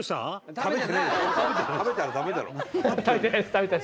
食べたら駄目だろ。